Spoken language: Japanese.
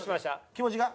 気持ちが？